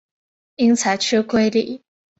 因裁缺归里。